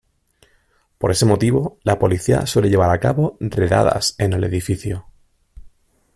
Por este motivo, la policía suele llevar a cabo redadas en el edificio.